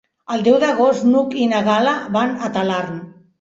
El deu d'agost n'Hug i na Gal·la van a Talarn.